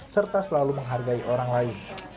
serta selalu menghargai orang lain